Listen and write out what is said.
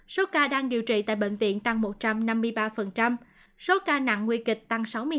số ca đang điều trị tại bệnh viện tăng một trăm năm mươi ba số ca nặng nguy kịch tăng sáu mươi ba